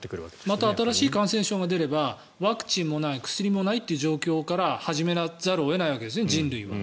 また新しい感染症が出ればワクチンもない薬もないという状況から始めざるを得ないわけですね人類は。